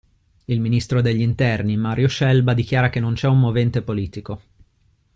Il ministro degli interni Mario Scelba dichiara che non c'è un movente politico.